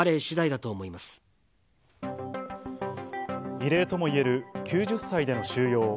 異例ともいえる９０歳での収容。